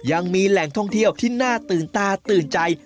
ยังมีแหล่งท่องเที่ยวที่น่าตื่นตาตื่นใจ